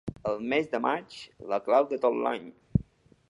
El mes de maig, la clau de tot l'any.